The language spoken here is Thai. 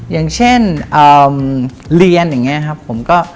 อย่างเช่นเรียนอย่างนี้ครับผมก็